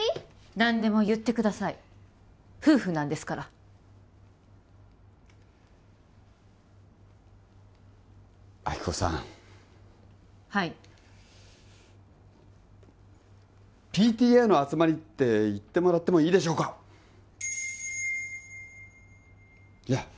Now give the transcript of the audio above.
何でも言ってください夫婦なんですから亜希子さんはいＰＴＡの集まりって行ってもらってもいいでしょうかいや